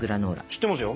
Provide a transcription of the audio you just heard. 知ってますよ。